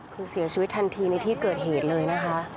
คือเสียชีวิตทันทีในที่เกิดเหตุเลยนะคะ